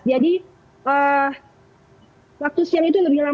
jadi waktu siang itu